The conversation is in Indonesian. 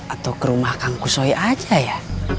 atau ke rumah kanku soya aja ya